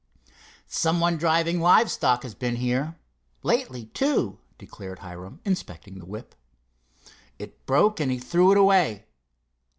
"Someone driving live stock has been here—lately, too," declared Hiram, inspecting the whip. "It broke, and he threw it away.